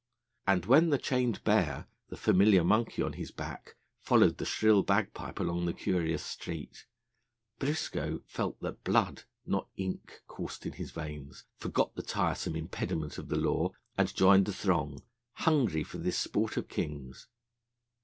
And when the chained bear, the familiar monkey on his back, followed the shrill bagpipe along the curious street, Briscoe felt that blood, not ink, coursed in his veins, forgot the tiresome impediment of the law, and joined the throng, hungry for this sport of kings.